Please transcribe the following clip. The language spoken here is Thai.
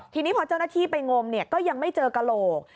ทีนี้พอเจ้าหน้าที่ไปงมก็ยังไม่เจอกระโหลก